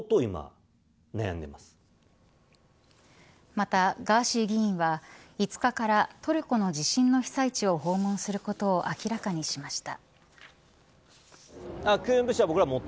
また、ガーシー議員は５日からトルコの地震の被災地を訪問することを明らかにしました。